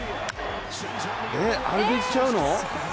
あれでいっちゃうの？